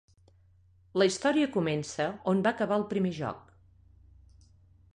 La història comença on va acabar el primer joc.